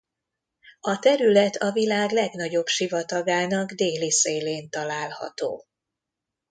A terület a világ legnagyobb sivatagának déli szélén található.